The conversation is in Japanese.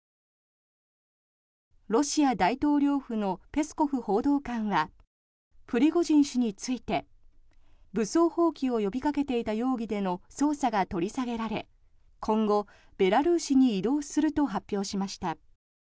ロシア大統領府のペスコフ報道官はプリゴジン氏について武装蜂起を呼びかけていた容疑での捜査が取り下げられ今後、ベラルーシに移動すると発表しました。